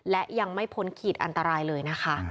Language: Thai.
และยังไม่พ้นขีดอันตรายเลยนะคะ